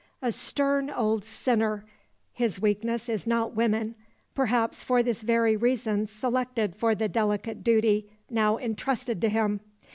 A stern old sinner, his weakness is not woman perhaps for this very reason selected for the delicate duty now intrusted to him.